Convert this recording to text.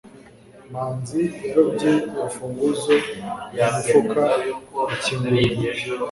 manzi yarobye urufunguzo mu mufuka akingura urugi